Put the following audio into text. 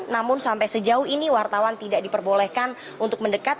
namun sampai sejauh ini wartawan tidak diperbolehkan untuk mendekat